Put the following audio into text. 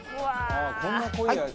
はい。